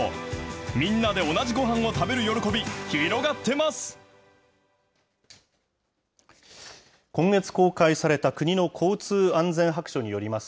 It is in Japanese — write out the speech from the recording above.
みんなで同じごはんを食べる喜び、広がってます。